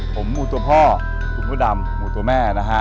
ผมหมูตัวพ่อคุณพ่อดำหมูตัวแม่นะฮะ